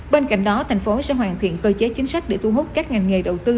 bên cạnh đó thành phố sẽ hoàn thiện cơ chế chính sách để thu hút các ngành nghề đầu tư